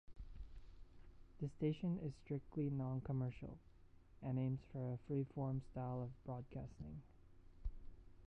The station is strictly non-commercial, and aims for a free-form style of broadcasting.